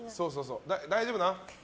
大丈夫か。